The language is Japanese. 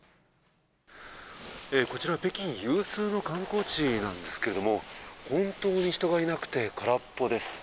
こちら、北京有数の観光地なんですけれども、本当に人がいなくて、空っぽです。